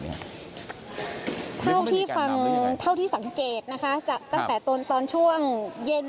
เท่าที่สังเกตนะคะตั้งแต่ตอนช่วงเย็น